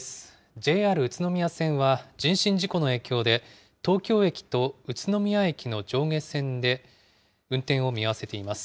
ＪＲ宇都宮線は人身事故の影響で、東京駅と宇都宮駅の上下線で運転を見合わせています。